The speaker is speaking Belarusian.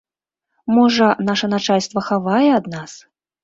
Можа, наша начальства хавае ад нас?